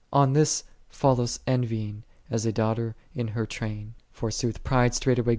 On Ihis followeth envying, as a daughter in her train; forsooth pride straight" 1 M.